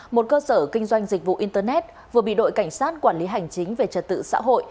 một cơ sở kinh doanh dịch vụ internet vừa bị đội cảnh sát quản lý hành chính về trật tự xã hội